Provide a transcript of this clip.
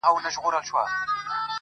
غوجله د عمل ځای ټاکل کيږي او فضا تياره-